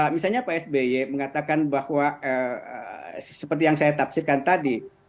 misalnya pak sby mengatakan bahwa seperti yang saya tafsirkan tadi